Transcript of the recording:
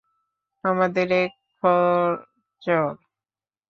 আমাদের এক খোঁচড়।